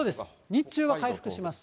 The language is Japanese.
日中は回復します。